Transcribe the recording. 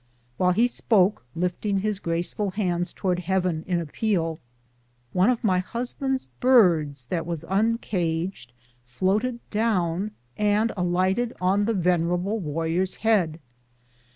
While he spoke, lifting his graceful hands towards Heaven in appeal, one of nij husband's birds that was uncaged floated down and alighted on the venerable warrior's head.